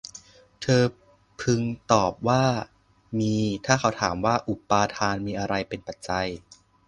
เธอพึงตอบว่า มี ถ้าเขาถามว่า อุปาทานมีอะไรเป็นปัจจัย